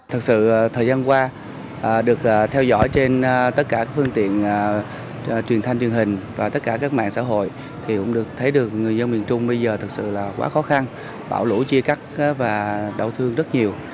thật sự thời gian qua được theo dõi trên tất cả các phương tiện truyền thanh truyền hình và tất cả các mạng xã hội thì cũng được thấy được người dân miền trung bây giờ thực sự là quá khó khăn bão lũ chia cắt và đau thương rất nhiều